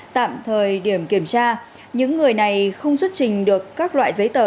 tạm thời điểm kiểm tra những người này không xuất trình được các loại giấy tờ